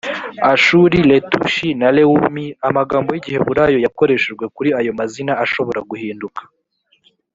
ashuri letushi na lewumi amagambo y’igiheburayo yakoreshejwe kuri ayo mazina ashobora guhinduka